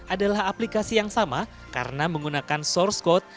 adalah aplikasi yang sama karena menggunakan source code